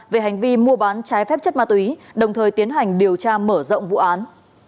về hành vi mua bán trái phép chất ma túy đồng thời tiến hành điều tra mở rộng vụ án